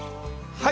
はい。